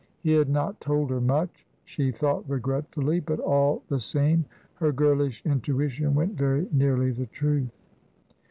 He had not told her much, she thought regretfully; but, all the same, her girlish intuition went very nearly the truth.